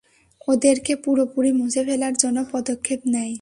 ওদেরকে পুরোপুরি মুছে ফেলার জন্য পদক্ষেপ নেয়।